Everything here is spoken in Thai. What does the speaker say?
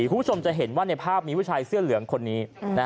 คุณผู้ชมจะเห็นว่าในภาพมีผู้ชายเสื้อเหลืองคนนี้